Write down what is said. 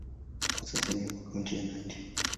Kwa sasa imekuwa kaunti ya Nandi.